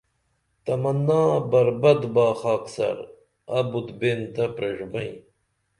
تمنا بربت با خاکسار ابت بین تہ پریݜبئیں